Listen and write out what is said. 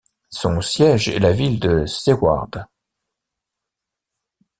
Son siège est la ville de Seward.